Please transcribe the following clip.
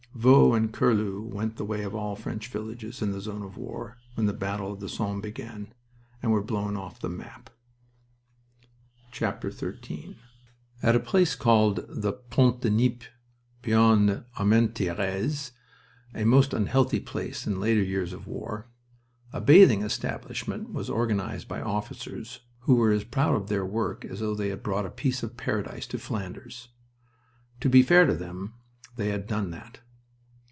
Vaux and Curlu went the way of all French villages in the zone of war, when the battles of the Somme began, and were blown off the map. XIII At a place called the Pont de Nieppe, beyond Armentieres a most "unhealthy" place in later years of war a bathing establishment was organized by officers who were as proud of their work as though they had brought a piece of paradise to Flanders. To be fair to them, they had done that.